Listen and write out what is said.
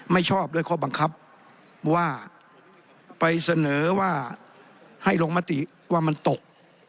ไม่ชอบด้วยข้อบังคับว่าไปเสนอว่าให้ลงมติว่ามันตก